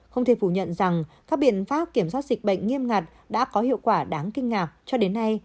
không thể phủ nhận rằng các biện pháp kiểm soát dịch bệnh nghiêm ngặt đã có hiệu quả đáng kinh ngạc cho đến nay